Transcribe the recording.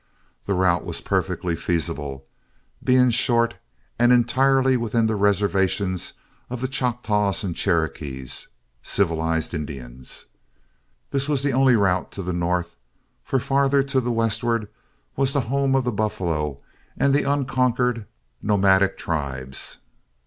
The route was perfectly feasible, being short and entirely within the reservations of the Choctaws and Cherokees, civilized Indians. This was the only route to the north; for farther to the westward was the home of the buffalo and the unconquered, nomadic tribes.